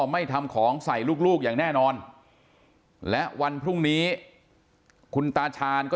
ไม่ทำของใส่ลูกอย่างแน่นอนและวันพรุ่งนี้คุณตาชาญก็